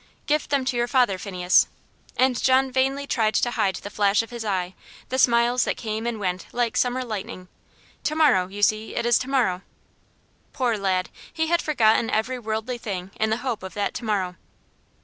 "Give them to your father, Phineas." And John vainly tried to hide the flash of his eye the smiles that came and went like summer lightning "To morrow you see, it is to morrow." Poor lad! he had forgotten every worldly thing in the hope of that to morrow.